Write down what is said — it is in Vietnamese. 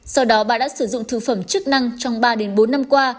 sau đó bà đã sử dụng thực phẩm chức năng trong ba bốn năm qua